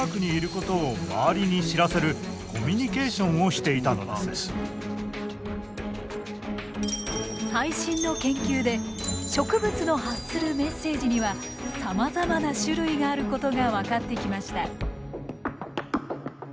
つまり彼らは最新の研究で植物の発するメッセージにはさまざまな種類があることが分かってきました。